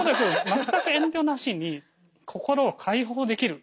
全く遠慮なしに心を解放できる。